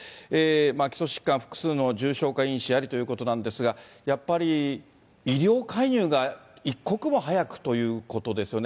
基礎疾患、複数の重症化因子ありということなんですが、やっぱり医療介入が一刻も早くということですよね。